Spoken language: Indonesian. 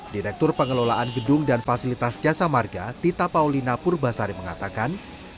direktur pengelolaan gedung dan fasilitas jasa marga tita paulina purbasari mengatakan